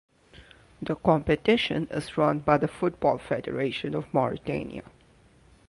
The competition is run by the Football Federation of Mauritania.